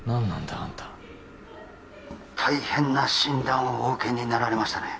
あんた大変な診断をお受けになられましたね